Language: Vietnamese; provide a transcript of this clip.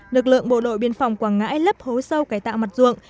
lực lượng bộ đội biên phòng quảng ngãi lấp hố sâu cải tạo mặt ruộng